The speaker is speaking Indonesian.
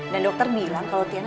dan dokter bilang kalau tiana